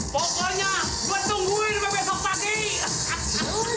pokoknya buat tungguin besok pagi